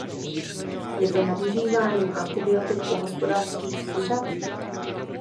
Je to nadužíváním antibiotik u hospodářských zvířat?